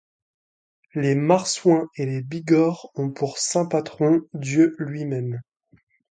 Les Marsouins et les Bigors ont pour saint patron Dieu lui-même.